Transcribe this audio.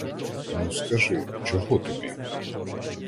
Ну, скажи, чого тобі?